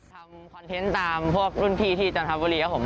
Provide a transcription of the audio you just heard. คอนเทนต์ตามพวกรุ่นพี่ที่จันทบุรีครับผม